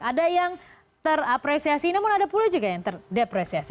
ada yang terapresiasi namun ada pula juga yang terdepresiasi